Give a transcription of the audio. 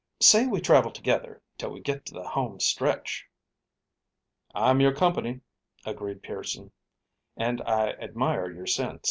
Say we travel together till we get to the home stretch." "I'm your company," agreed Pearson, "and I admire your sense.